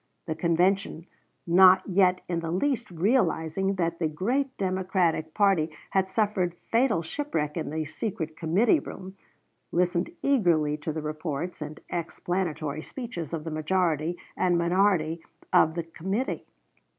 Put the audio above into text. The convention, not yet in the least realizing that the great Democratic party had suffered fatal shipwreck in the secret committee room, listened eagerly to the reports and explanatory speeches of the majority and minority of the committee.